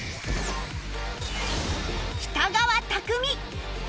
北川拓実